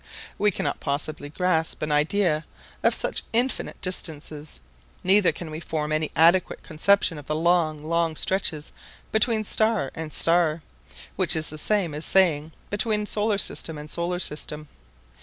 We cannot possibly grasp an idea of such infinite distances, neither can we form any adequate conception of the long, long stretches between star and star, which is the same as saying, between solar system and solar system.